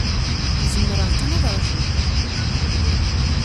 Zemreɣ kan ad ṛjuɣ.